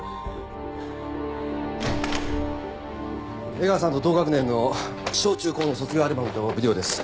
江川さんと同学年の小中高の卒業アルバムとビデオです。